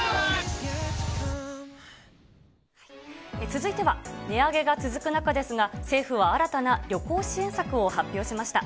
続いては値上げが続く中ですが、政府は新たな旅行支援策を発表しました。